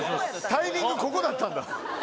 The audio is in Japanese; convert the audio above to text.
タイミングここだったんだ。